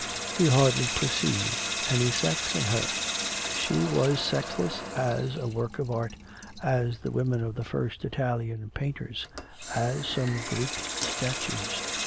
He hardly perceived any sex in her; she was sexless as a work of art, as the women of the first Italian painters, as some Greek statues.